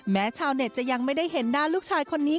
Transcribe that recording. ชาวเน็ตจะยังไม่ได้เห็นหน้าลูกชายคนนี้